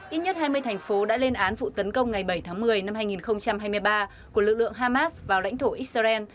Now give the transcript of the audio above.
ít nhất hai mươi thành phố đã lên án vụ tấn công ngày bảy tháng một mươi năm hai nghìn hai mươi ba của lực lượng hamas vào lãnh thổ israel